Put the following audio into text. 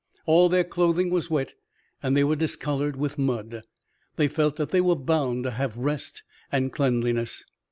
All their clothing was wet and they were discolored with mud. They felt that they were bound to have rest and cleanliness.